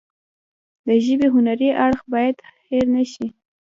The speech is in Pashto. د ژبې هنري اړخ باید هیر نشي.